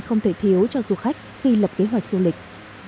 không thể thiếu cho du khách khi lập kế hoạch du lịch